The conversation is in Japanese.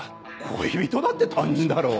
恋人だって他人だろ。